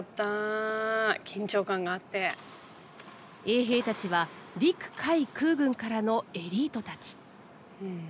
衛兵たちは陸海空軍からのエリートたち。